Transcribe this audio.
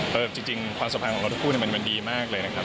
เพราะว่าจริงความสบายของเราทุกผู้มันดีมากเลยนะครับ